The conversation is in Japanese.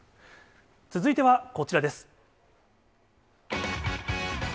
続いては、こちらです。